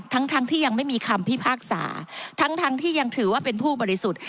ทั้งทั้งที่ยังไม่มีคำพิพากษาทั้งทั้งที่ยังถือว่าเป็นผู้บริสุทธิ์